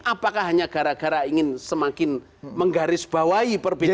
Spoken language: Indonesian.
apakah hanya gara gara ingin semakin menggarisbawahi perbedaan